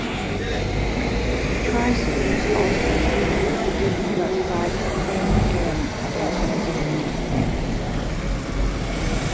The Tri-series also included both sides playing a game against New Zealand.